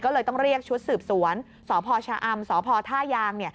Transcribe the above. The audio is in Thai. ก็เลยต้องเรียกชุดสืบสวนสพชะอำสพท่ายาง